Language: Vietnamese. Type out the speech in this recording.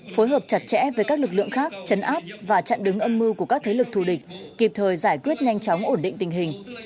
phối hợp chặt chẽ với các lực lượng khác chấn áp và chặn đứng âm mưu của các thế lực thù địch kịp thời giải quyết nhanh chóng ổn định tình hình